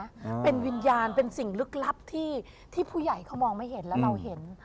อืมเป็นวิญญาณเป็นสิ่งลึกลับที่ที่ผู้ใหญ่เขามองไม่เห็นแล้วเราเห็น